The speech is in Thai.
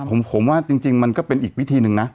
แต่ผมว่าจริงก็เป็นอีกวิธีหนึ่ง